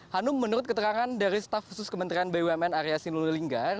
hanum menurut keterangan dari staff khusus kementerian bumn area sinulilinggar